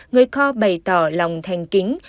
người kho bày tỏ lòng thành kính